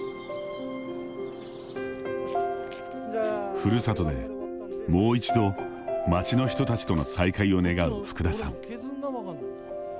ふるさとで、もう一度町の人たちとの再会を願う福田さん。